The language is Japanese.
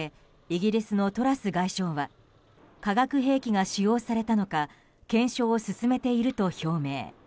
イギリスのトラス外相は化学兵器が使用されたのか検証を進めていると表明。